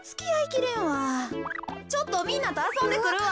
ちょっとみんなとあそんでくるわ。